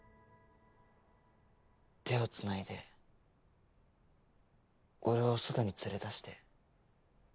手をつないで俺を外に連れ出して。